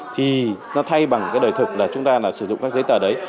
thì nó thay bằng đời thực là chúng ta sử dụng các giấy tờ đấy